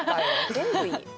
全部いい。